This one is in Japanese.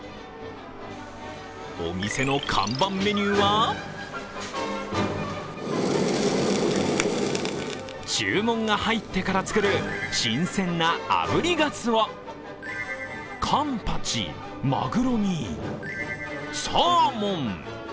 お店の看板メニューは注文が入ってからつくる新鮮なあぶりがつおかんぱち、まぐろに、サーモン！